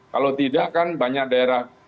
kalau tidak kan banyak daerah